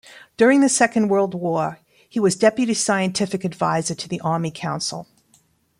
During the Second World War he was Deputy Scientific Advisor to the Army Council.